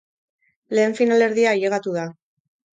Lehen finalerdia ailegatu da!